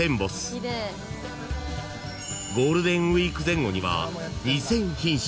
［ゴールデンウイーク前後には２，０００品種